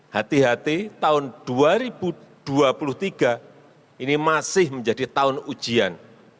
hati hati tahun dua ribu dua puluh tiga ini masih menjadi tahun ujian